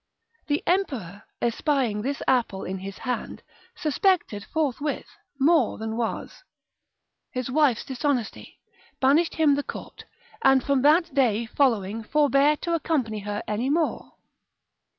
The emperor, espying this apple in his hand, suspected forthwith, more than was, his wife's dishonesty, banished him the court, and from that day following forbare to accompany her any more.